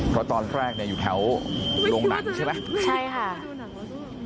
เพราะตอนแรกเนี่ยอยู่แถวโรงหนังใช่ไหม